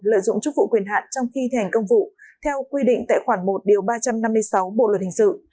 lợi dụng chức vụ quyền hạn trong khi thành công vụ theo quy định tại khoản một ba trăm năm mươi sáu bộ luật hình sự